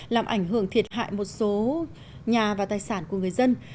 làm ảnh hưởng thiệt hại một số nhà và tài sản của người dân